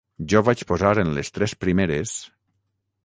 Jo vaig posar en les tres primeres...